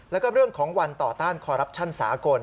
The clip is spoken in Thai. แล้วก็เรื่องของวันต่อต้านคอรัปชั่นสากล